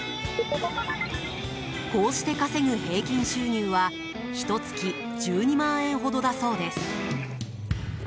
こうして稼ぐ平均収入はひと月１２万円ほどだそうです。